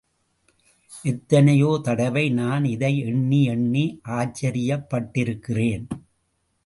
எத்தனையோ தடவை நான் இதை எண்ணியெண்ணி ஆச்சரியப்பட்டிருக்கிறேன்.